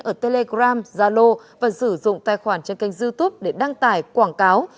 ở telegram zalo và sử dụng tài khoản trên kênh youtube để đăng tải quảng cáo